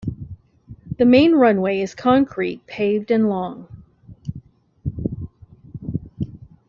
The main runway is concrete paved and long.